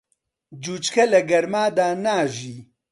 جوچکە لە گەرمادا ناژی.